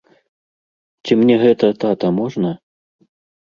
Ці мне гэта, тата, можна?